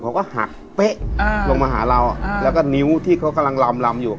เขาก็หักเป๊ะลงมาหาเราแล้วก็นิ้วที่เขากำลังลำลำอยู่